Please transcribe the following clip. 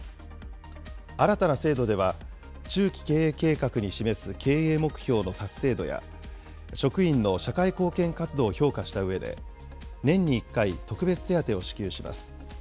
新たな制度では、中期経営計画に示す経営目標の達成度や、職員の社会貢献活動を評価したうえで、年に１回、特別手当を支給します。